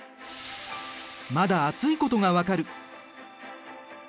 まだ熱いことが分かる。